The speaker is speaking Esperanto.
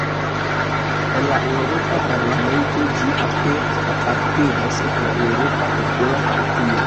En la Eŭropa parlamento ĝi apartenas al la Eŭropa Popola Partio.